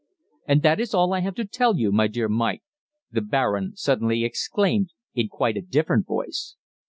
"And that is all I have to tell you, my dear Mike," the "Baron" suddenly exclaimed in quite a different voice.